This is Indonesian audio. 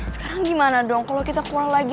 sekarang gimana dong kalo kita keluar lagi